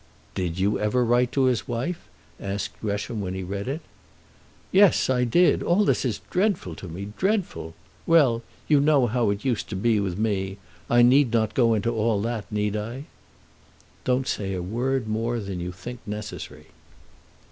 "Did you ever write to his wife?" asked Gresham, when he read it. "Yes; I did. All this is dreadful to me; dreadful. Well; you know how it used to be with me. I need not go into all that; need I?" "Don't say a word more than you think necessary."